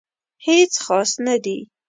هیڅ خاص نه دي